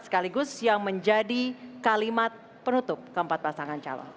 sekaligus yang menjadi kalimat penutup keempat pasangan calon